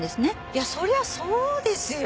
いやそりゃそうですよ。